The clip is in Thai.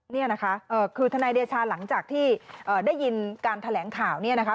นี่นะคะคือทนายเดชาหลังจากที่ได้ยินการแถลงข่าวเนี่ยนะคะ